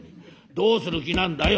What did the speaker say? どうする気なんだよ」。